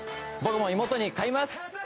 僕も妹に買います！